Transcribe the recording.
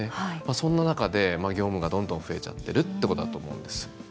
そんな中で業務がどんどん増えちゃってるということだと思います。